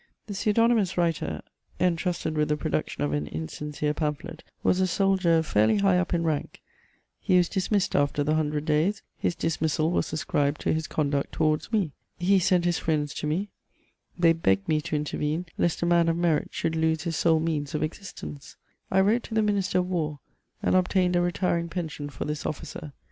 The pseudonymous writer entrusted with the production of an insincere pamphlet was a soldier fairly high up in rank: he was dismissed after the Hundred Days; his dismissal was ascribed to his conduct towards me; he sent his friends to me; they begged me to intervene, lest a man of merit should lose his sole means of existence: I wrote to the Minister of War and obtained a retiring pension for this officer.